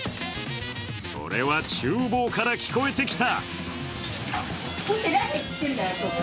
それは厨房から聞こえてきた。